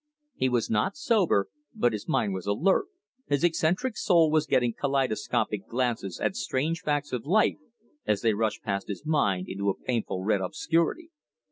He was not sober, but his mind was alert, his eccentric soul was getting kaleidoscopic glances at strange facts of life as they rushed past his mind into a painful red obscurity.